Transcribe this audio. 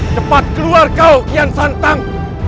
tempat keluar kau kian santang